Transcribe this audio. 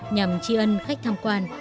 nhằm tri ân khách tham quan